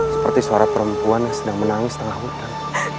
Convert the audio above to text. seperti suara perempuan yang sedang menangis tengah hutan